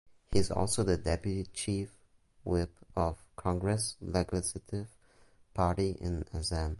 He is also the Deputy Chief Whip of Congress Legislative Party in Assam.